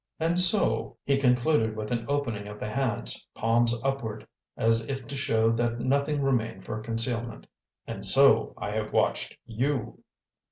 And so," he concluded with an opening of the hands, palms upward, as if to show that nothing remained for concealment, "and so I have watched you."